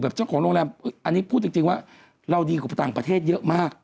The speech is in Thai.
เจ้าของโรงแรมอันนี้พูดจริงว่าเราดีกว่าต่างประเทศเยอะมาก